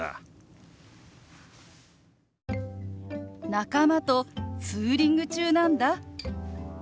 「仲間とツーリング中なんだ」。